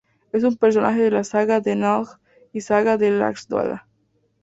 Es un personaje de la "saga de Njál", y "Saga de Laxdœla".